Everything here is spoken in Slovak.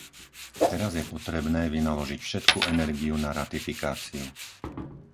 Teraz je potrebné vynaložiť všetku energiu na ratifikáciu.